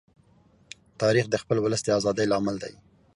تاریخ د خپل ولس د ازادۍ لامل دی.